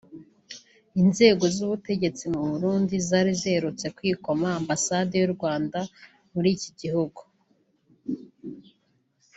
Inzego z’ubutegetsi mu Burundi zari ziherutse kwikoma Ambasade y’u Rwanda muri iki gihugu